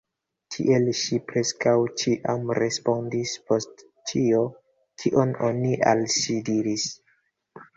Tiel ŝi preskaŭ ĉiam respondis post ĉio, kion oni al ŝi diris.